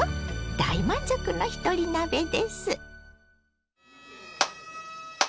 大満足のひとり鍋です。